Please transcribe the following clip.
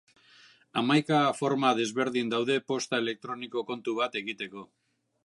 Hamaika forma desberdin daude posta elektroniko kontu bat egiteko.